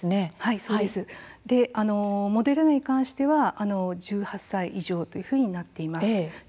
モデルナに対しては１８歳以上ということになっています。